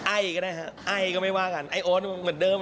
ไอ้ก็ได้ฮะไอ้ก็ไม่ว่ากันไอ้โอ๊ตเหมือนเดิม